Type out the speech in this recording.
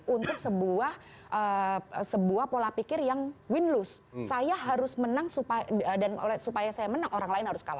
untuk sebuah pola pikir yang win lose saya harus menang dan supaya saya menang orang lain harus kalah